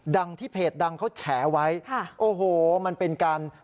ที่เพจดังเขาแฉไว้ค่ะโอ้โหมันเป็นการ